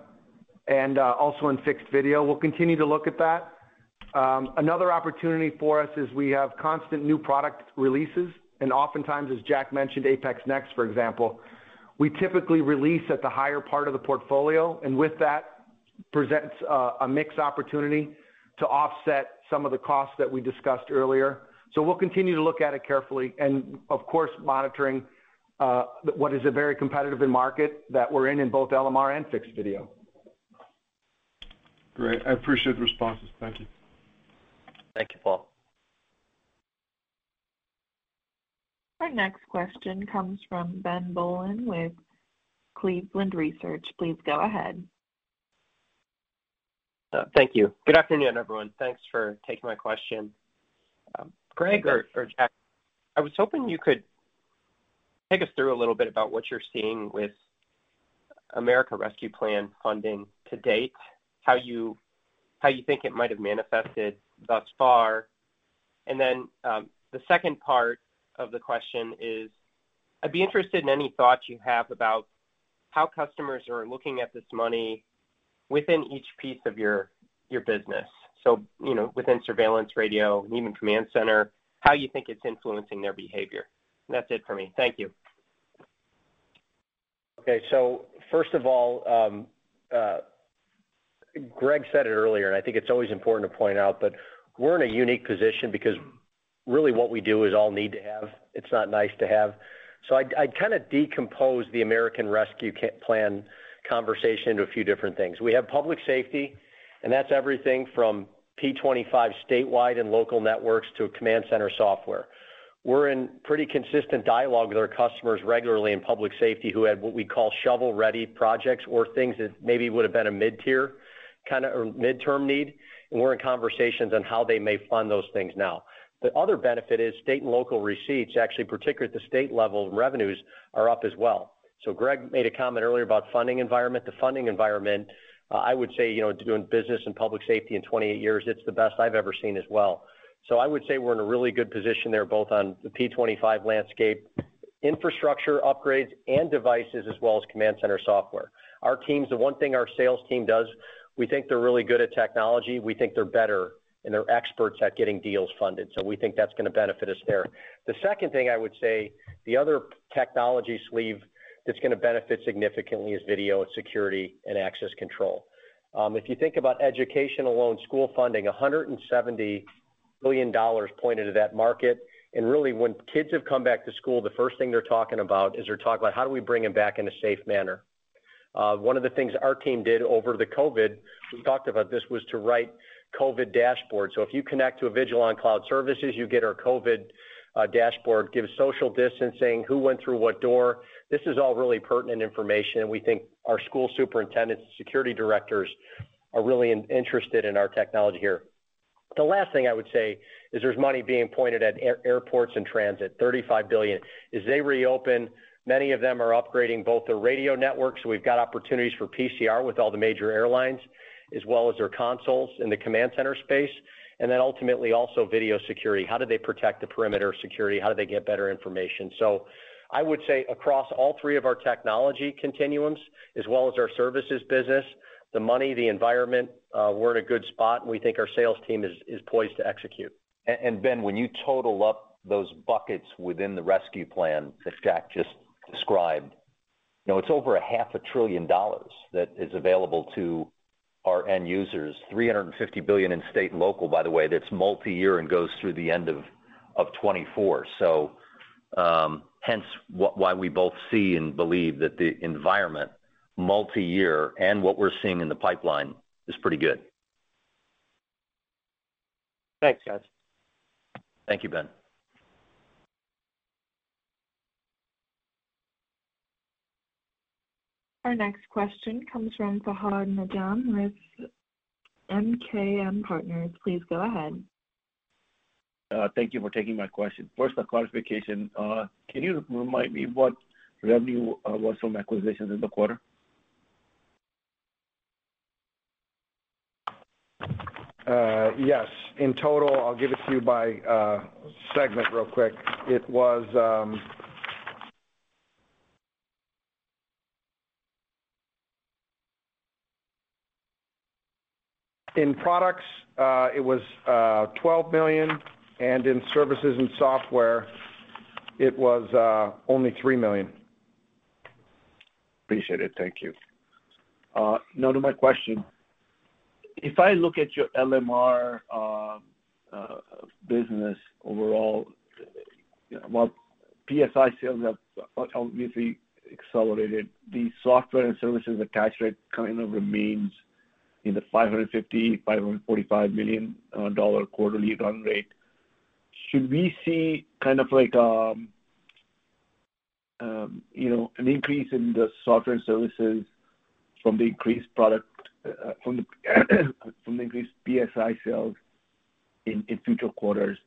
and also in fixed video. We'll continue to look at that. Another opportunity for us is we have constant new product releases, and oftentimes, as Jack mentioned, APX NEXT, for example, we typically release at the higher part of the portfolio, and with that presents a mixed opportunity to offset some of the costs that we discussed earlier. We'll continue to look at it carefully and, of course, monitoring what is a very competitive market that we're in both LMR and fixed video. Great. I appreciate the responses. Thank you. Thank you, Paul. Our next question comes from Ben Bollin with Cleveland Research. Please go ahead. Thank you. Good afternoon, everyone. Thanks for taking my question. Greg or Jack, I was hoping you could take us through a little bit about what you're seeing with American Rescue Plan funding to date, how you think it might have manifested thus far. The second part of the question is, I'd be interested in any thoughts you have about how customers are looking at this money within each piece of your business. You know, within surveillance, radio, and even CommandCentral, how you think it's influencing their behavior. That's it for me. Thank you. Okay. First of all, Greg said it earlier, and I think it's always important to point out, but we're in a unique position because really what we do is all need to have. It's not nice to have. I'd kind of decompose the American Rescue Plan conversation to a few different things. We have public safety, and that's everything from P25 statewide and local networks to command center software. We're in pretty consistent dialogue with our customers regularly in public safety, who have what we call shovel-ready projects or things that maybe would have been a mid-tier kinda, or midterm need. We're in conversations on how they may fund those things now. The other benefit is state and local receipts, actually, particularly at the state level, revenues are up as well. Greg made a comment earlier about funding environment. The funding environment, I would say, you know, doing business in public safety in 28 years, it's the best I've ever seen as well. I would say we're in a really good position there, both on the P25 landscape, infrastructure upgrades and devices, as well as command center software. Our teams, the one thing our sales team does, we think they're really good at technology. We think they're better, and they're experts at getting deals funded. We think that's gonna benefit us there. The second thing I would say, the other technology sleeve that's gonna benefit significantly is video and security and access control. If you think about education alone, school funding, $170 billion pointed to that market. Really, when kids have come back to school, the first thing they're talking about is how do we bring them back in a safe manner. One of the things our team did over the COVID, we've talked about this, was to write COVID dashboards. If you connect to Avigilon Cloud Services, you get our COVID dashboard, gives social distancing, who went through what door. This is all really pertinent information, and we think our school superintendents and security directors are really interested in our technology here. The last thing I would say is there's money being pointed at airports and transit, $35 billion. As they reopen, many of them are upgrading both their radio networks. We've got opportunities for PCR with all the major airlines, as well as their consoles in the command center space, and then ultimately also video security. How do they protect the perimeter security? How do they get better information? I would say across all three of our technology continuums, as well as our services business, the money, the environment, we're in a good spot, and we think our sales team is poised to execute. Ben, when you total up those buckets within the Rescue Plan that Jack just described, you know, it's over half a trillion dollars that is available to our end users, $350 billion in state and local, by the way, that's multi-year and goes through the end of 2024. Hence why we both see and believe that the environment, multi-year, and what we're seeing in the pipeline is pretty good. Thanks, guys. Thank you, Ben. Our next question comes from Fahad Najam with MKM Partners. Please go ahead. Thank you for taking my question. First, a clarification. Can you remind me what revenue was from acquisitions in the quarter? Yes. In total, I'll give it to you by segment real quick. It was. In products, it was $12 million, and in services and software it was only $3 million. Appreciate it. Thank you. Now to my question. If I look at your LMR business overall, you know, while PSI sales have obviously accelerated, the software and services attach rate kind of remains in the $545 million quarterly run rate. Should we see kind of like, you know, an increase in the software and services from the increased PSI sales in future quarters?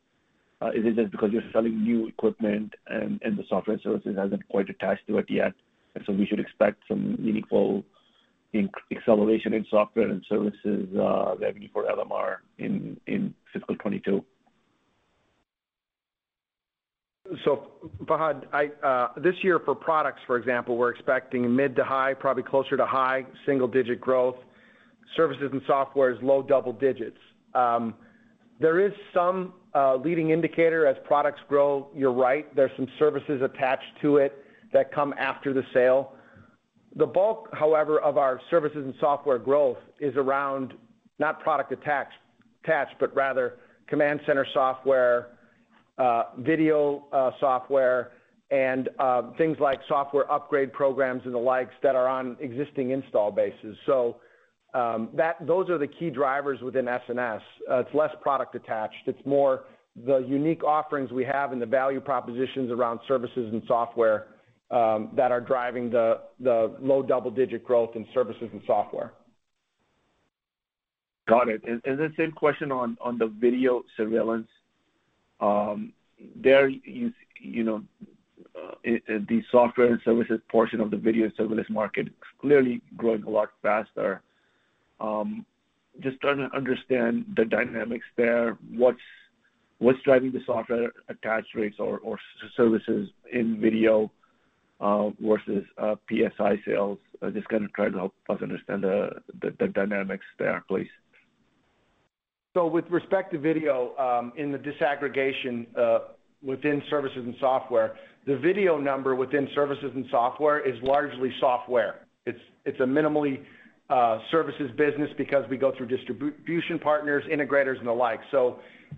Is it just because you're selling new equipment and the software and services hasn't quite attached to it yet, and so we should expect some meaningful acceleration in software and services revenue for LMR in fiscal 2022? Fahad, this year for products, for example, we're expecting mid- to high-single-digit growth, probably closer to high single-digit. Services and software is low double-digit. There is some leading indicator as products grow. You're right, there's some services attached to it that come after the sale. The bulk, however, of our services and software growth is around not product attached, but rather CommandCentral software, video software, and things like software upgrade programs and the like that are on existing install bases. Those are the key drivers within SNS. It's less product attached. It's more the unique offerings we have and the value propositions around services and software that are driving the low double-digit growth in services and software. Got it. The same question on the video surveillance. You know, the software and services portion of the video surveillance market is clearly growing a lot faster. Just trying to understand the dynamics there. What's driving the software attach rates or services in video versus PSI sales? Just kind of try to help us understand the dynamics there, please. With respect to video, in the disaggregation, within services and software, the video number within services and software is largely software. It's a minimal services business because we go through distribution partners, integrators, and the like.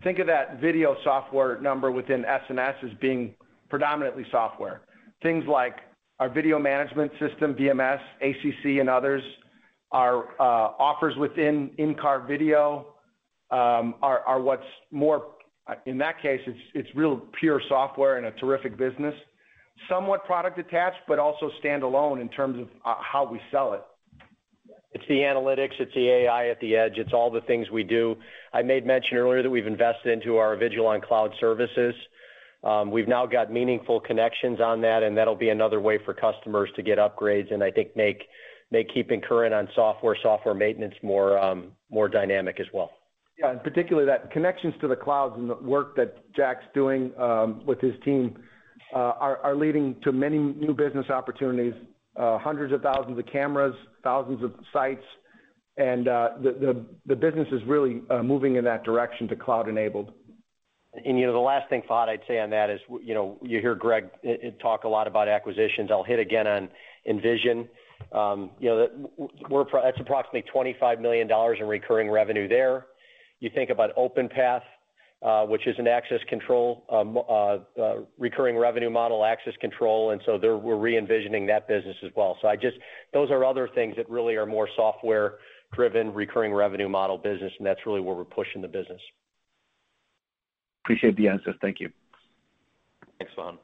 Think of that video software number within SNS as being predominantly software. Things like our video management system, VMS, ACC, and others, our offers within in-car video are what's more. In that case, it's really pure software and a terrific business. Somewhat product attached, but also stand alone in terms of how we sell it. It's the analytics, it's the AI at the edge, it's all the things we do. I made mention earlier that we've invested into our Avigilon Cloud Services. We've now got meaningful connections on that, and that'll be another way for customers to get upgrades, and I think make keeping current on software maintenance more dynamic as well. Yeah. Particularly those connections to the cloud and the work that Jack's doing with his team are leading to many new business opportunities. Hundreds of thousands of cameras, thousands of sites, and the business is really moving in that direction to cloud-enabled. You know, the last thing, Fahad, I'd say on that is you know, you hear Greg talk a lot about acquisitions. I'll hit again on Envysion. You know, that's approximately $25 million in recurring revenue there. You think about Openpath, which is an access control, recurring revenue model access control, and we're re-envisioning that business as well. Those are other things that really are more software-driven, recurring revenue model business, and that's really where we're pushing the business. Appreciate the answers. Thank you. Thanks, Fahad.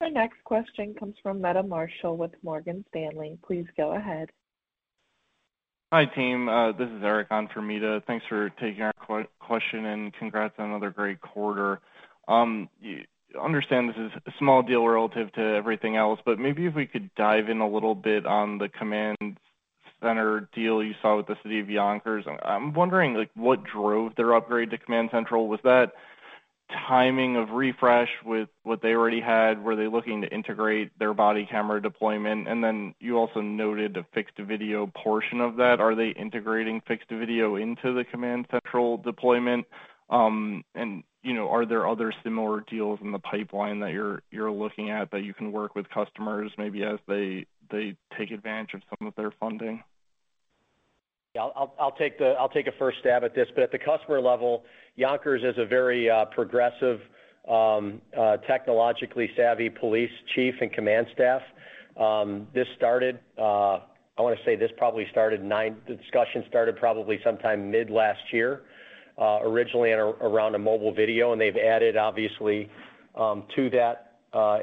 Our next question comes from Meta Marshall with Morgan Stanley. Please go ahead. Hi, team. This is Eric on for Meta. Thanks for taking our question, and congrats on another great quarter. I understand this is a small deal relative to everything else, but maybe if we could dive in a little bit on the CommandCentral deal you saw with the City of Yonkers. I'm wondering, like, what drove their upgrade to CommandCentral. Was that timing of refresh with what they already had? Were they looking to integrate their body camera deployment? And then you also noted the fixed video portion of that. Are they integrating fixed video into the CommandCentral deployment? And, you know, are there other similar deals in the pipeline that you're looking at that you can work with customers maybe as they take advantage of some of their funding? Yeah. I'll take a first stab at this. At the customer level, Yonkers is a very progressive technologically savvy police chief and command staff. I wanna say the discussion probably started sometime mid last year, originally around a mobile video, and they've added obviously to that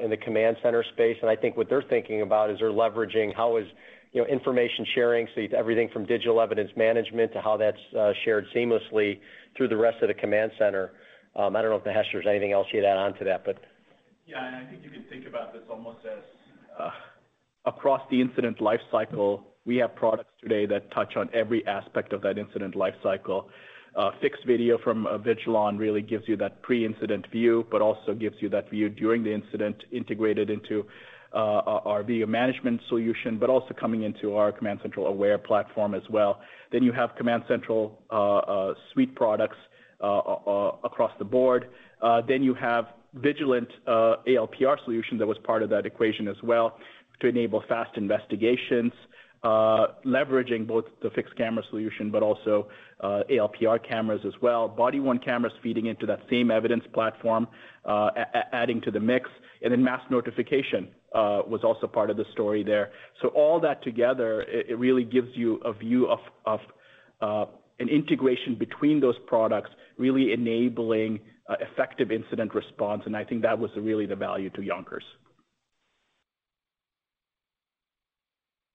in the command center space. I think what they're thinking about is they're leveraging how is, you know, information sharing. It's everything from digital evidence management to how that's shared seamlessly through the rest of the command center. I don't know if, Mahesh, there's anything else you'd add on to that, but. Yeah. I think you can think about this almost as. Across the incident life cycle, we have products today that touch on every aspect of that incident life cycle. Fixed video from Avigilon really gives you that pre-incident view, but also gives you that view during the incident integrated into our video management solution, but also coming into our CommandCentral Aware platform as well. You have CommandCentral suite products across the board. You have Vigilant ALPR solution that was part of that equation as well to enable fast investigations leveraging both the fixed camera solution, but also ALPR cameras as well. Body-worn cameras feeding into that same evidence platform adding to the mix. Mass notification was also part of the story there. All that together, it really gives you a view of an integration between those products really enabling effective incident response, and I think that was really the value to Yonkers.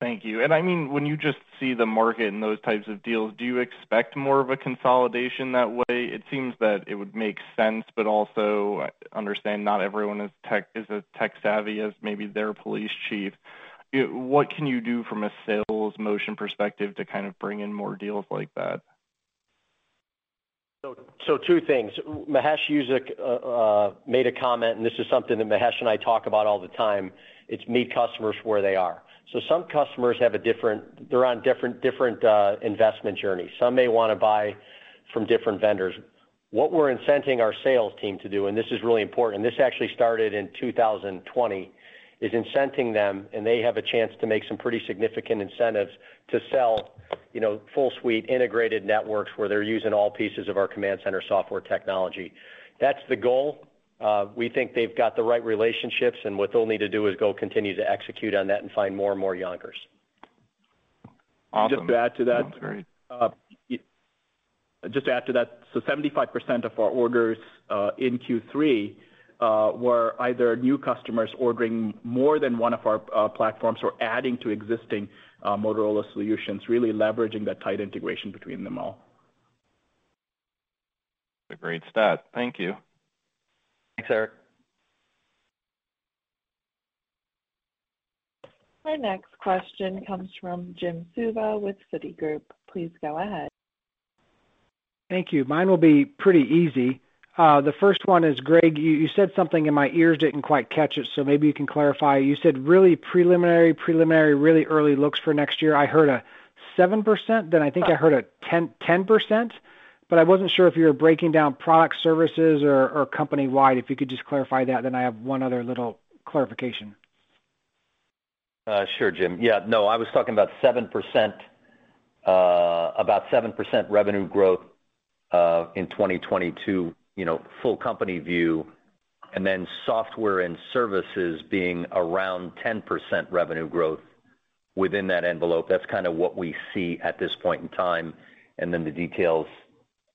Thank you. I mean, when you just see the market and those types of deals, do you expect more of a consolidation that way? It seems that it would make sense, but also I understand not everyone is as tech savvy as maybe their police chief. You know, what can you do from a sales motion perspective to kind of bring in more deals like that? Two things. Mahesh Saptharishi made a comment, and this is something that Mahesh and I talk about all the time. It's meet customers where they are. Some customers have different investment journeys. Some may wanna buy from different vendors. What we're incenting our sales team to do, and this is really important, and this actually started in 2020, is incenting them, and they have a chance to make some pretty significant incentives to sell, you know, full suite integrated networks where they're using all pieces of our CommandCentral software technology. That's the goal. We think they've got the right relationships, and what they'll need to do is continue to execute on that and find more and more opportunities. Awesome. Just to add to that. Great. Just to add to that. 75% of our orders in Q3 were either new customers ordering more than one of our platforms or adding to existing Motorola Solutions, really leveraging that tight integration between them all. That's a great stat. Thank you. Thanks, Eric. Our next question comes from Jim Suva with Citigroup. Please go ahead. Thank you. Mine will be pretty easy. The first one is, Greg, you said something, and my ears didn't quite catch it, so maybe you can clarify. You said really preliminary, really early looks for next year. I heard a 7%, then I think I heard a 10%, but I wasn't sure if you were breaking down product services or company-wide. If you could just clarify that, then I have one other little clarification. Sure, Jim. Yeah, no, I was talking about 7% revenue growth in 2022, you know, full company view, and then software and services being around 10% revenue growth within that envelope. That's kinda what we see at this point in time, and then the details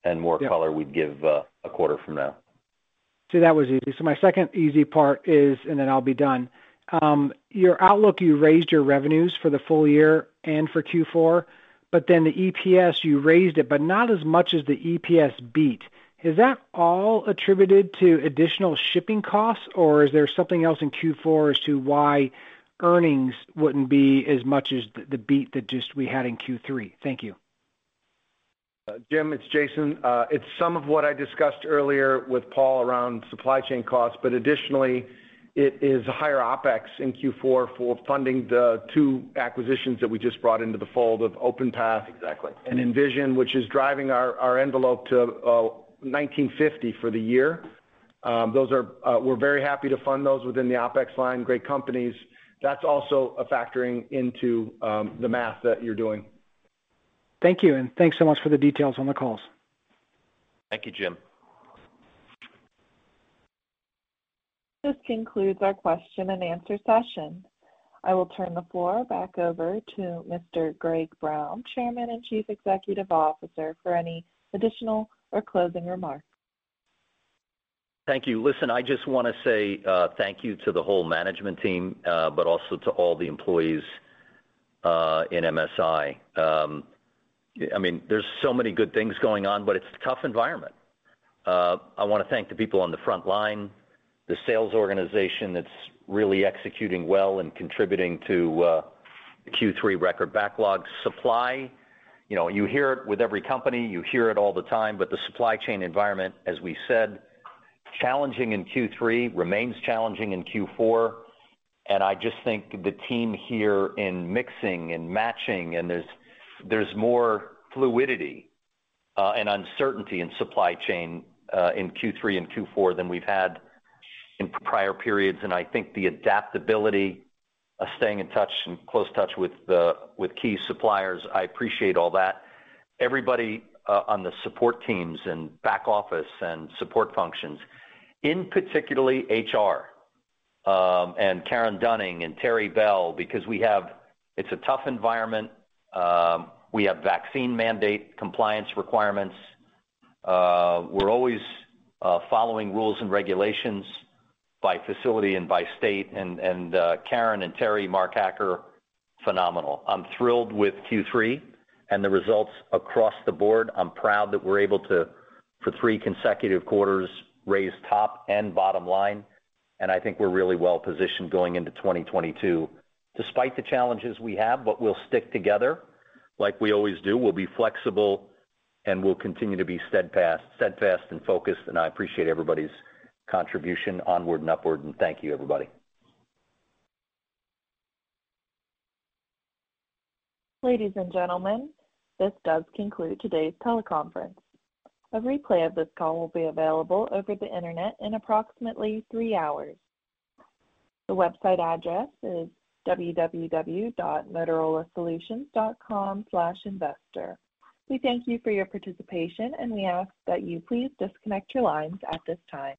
and more color. Yeah. We'd give a quarter from now. See, that was easy. My second easy part is, and then I'll be done, your outlook, you raised your revenues for the full year and for Q4, but then the EPS, you raised it, but not as much as the EPS beat. Is that all attributed to additional shipping costs, or is there something else in Q4 as to why earnings wouldn't be as much as the beat that just we had in Q3? Thank you. Jim, it's Jason. It's some of what I discussed earlier with Paul around supply chain costs, but additionally, it is higher OpEx in Q4 for funding the two acquisitions that we just brought into the fold of Openpath. Exactly. Envysion, which is driving our envelope to $1,950 for the year. We're very happy to fund those within the OpEx line. Great companies. That's also factoring into the math that you're doing. Thank you, and thanks so much for the details on the calls. Thank you, Jim. This concludes our question and answer session. I will turn the floor back over to Mr. Greg Brown, Chairman and Chief Executive Officer, for any additional or closing remarks. Thank you. Listen, I just wanna say thank you to the whole management team, but also to all the employees in MSI. I mean, there's so many good things going on, but it's a tough environment. I wanna thank the people on the front line, the sales organization that's really executing well and contributing to the Q3 record backlog supply. You know, you hear it with every company, you hear it all the time, but the supply chain environment, as we said, challenging in Q3, remains challenging in Q4, and I just think the team here in mixing and matching, and there's more fluidity and uncertainty in supply chain in Q3 and Q4 than we've had in prior periods. I think the adaptability of staying in touch, in close touch with the key suppliers, I appreciate all that. Everybody on the support teams and back office and support functions, in particular HR, and Karen Dunning and Terry Bell, because we have. It's a tough environment. We have vaccine mandate compliance requirements. We're always following rules and regulations by facility and by state, and Karen and Terry, Mark Hacker, phenomenal. I'm thrilled with Q3 and the results across the board. I'm proud that we're able to, for three consecutive quarters, raise top and bottom line, and I think we're really well positioned going into 2022, despite the challenges we have, but we'll stick together like we always do. We'll be flexible, and we'll continue to be steadfast and focused, and I appreciate everybody's contribution. Onward and upward, and thank you, everybody. Ladies and gentlemen, this does conclude today's teleconference. A replay of this call will be available over the internet in approximately three hours. The website address is www.motorolasolutions.com/investor. We thank you for your participation, and we ask that you please disconnect your lines at this time.